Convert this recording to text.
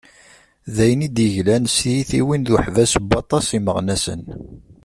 D ayen i d-yeglan s tyitiwin d uḥbas n waṭas n yimeɣnasen.